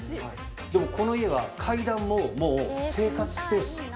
でもこの家は階段も生活スペース。